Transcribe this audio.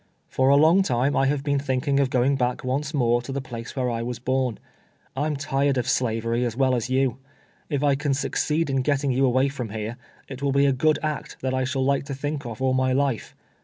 For a long time I have been thinking of going back once more to the place Avhere I was born. I'm tired of Slavery as well as you. If I can succeed in getting you away from here, it will be a good act that I shall like to think of all my life.